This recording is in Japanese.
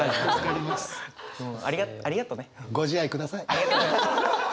ありがとうございます。